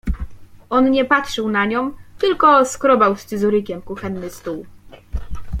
On nie patrzył na nią, tylko skrobał scyzorykiem kuchenny stół.